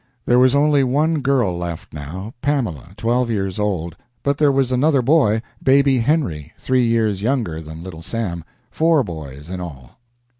There was only one girl left now, Pamela, twelve years old, but there was another boy, baby Henry, three years younger than Little Sam four boys in all.